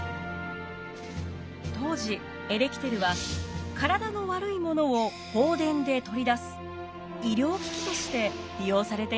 当時エレキテルは体の悪いものを放電で取り出す医療機器として利用されていました。